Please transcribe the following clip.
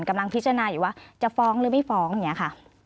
กำลังพิจารณาอยู่ว่าจะฟ้องหรือไม่ฟ้องอย่างนี้ค่ะ